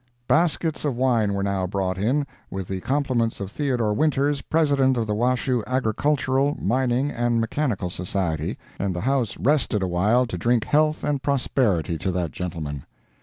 ] Baskets of wine were now brought in, with the compliments of Theodore Winters, President of the Washoe Agricultural, Mining and Mechanical Society, and the House rested awhile to drink health and prosperity to that gentleman.